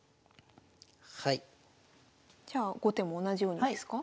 じゃあ後手も同じようにですか？